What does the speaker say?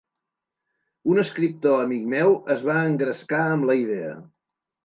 Un escriptor amic meu es va engrescar amb la idea.